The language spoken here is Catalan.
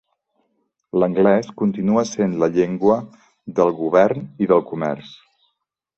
L'anglès continua sent la llengua del govern i del comerç.